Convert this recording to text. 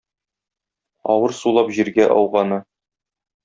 Авыр сулап җиргә ауганы.